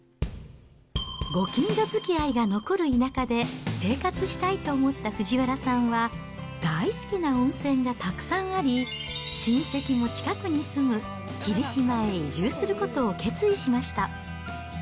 ご近所づきあいが残る田舎で、生活したいと思った藤原さんは、大好きな温泉がたくさんあり、親戚も近くに住む霧島へ移住することを決意しました。